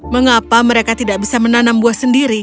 mengapa mereka tidak bisa menanam buah sendiri